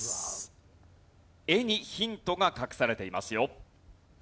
絵にヒントが隠されていますよ。